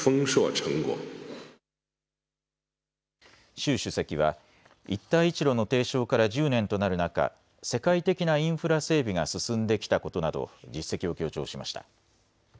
習主席は一帯一路の提唱から１０年となる中、世界的なインフラ整備が進んできたことなど実績を強調しました。